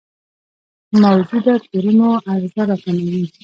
موجوده کورونو عرضه راکموي.